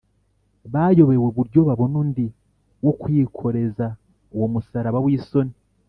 bayobewe uburyo babona undi wo kwikoreza uwo musaraba w’isoni